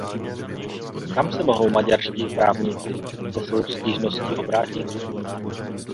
Kam se mohou maďarští právníci se svou stížností obrátit?